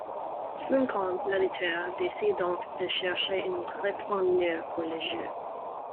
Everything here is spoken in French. Funcom, l'editeur, décide donc de chercher un repreneur pour le jeu.